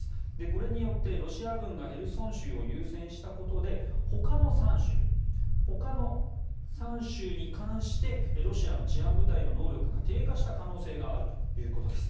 これによってロシア軍がヘルソン州を優先したことで他の３州に関してロシアの治安部隊の能力が低下した可能性があるということです。